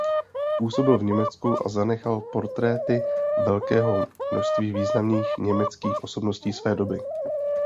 Působil v Německu a zanechal portréty velkého množství významných německých osobností své doby.